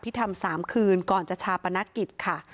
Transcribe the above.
พิธรรมสามคืนก่อนจชาปนกิจค่ะ